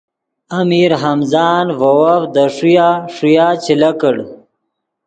امیر حمزآن ڤے وف دے ݰویہ ݰویا چے لکڑ